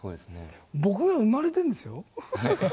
僕が生まれてるんですよ。